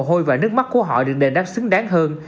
mồ hôi và nước mắt của họ được đề đắc xứng đáng hơn